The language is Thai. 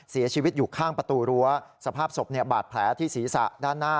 เสียชีวิตอยู่ข้างประตูรั้วสภาพศพเนี่ยบาดแผลที่ศีรษะด้านหน้า